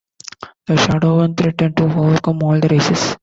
The Shadowen threaten to overcome all the Races.